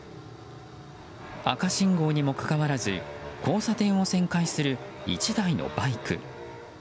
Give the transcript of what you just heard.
赤信号にもかかわらず交差点を旋回する１台のバイク。